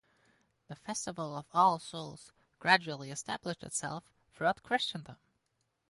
The festival of All Souls gradually established itself throughout Christendom.